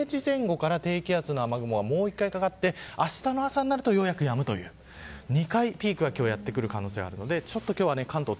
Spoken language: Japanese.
関東は０時前後から低気圧の雨雲がもう一度、下ってあしたの朝になるとようやく止む２回、今日ピークがやってくる可能性があります。